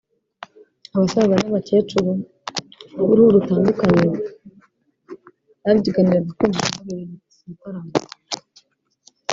abasaza n’abakecuru b’uruhu rutandukanye babyiganiraga kwinjira ahabereye iki gitaramo